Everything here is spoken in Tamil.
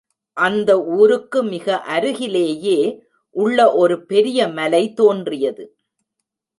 அந்த ஊருக்கு மிக அருகிலேயே உள்ள ஒரு பெரிய மலை தோன்றியது.